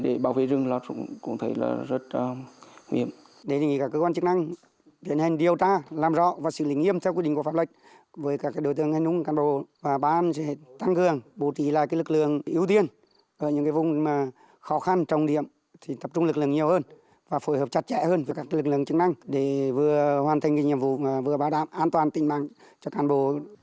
và phối hợp chặt chẽ hơn với các lực lượng chức năng để vừa hoàn thành nhiệm vụ vừa bảo đảm an toàn tình mạng cho cán bộ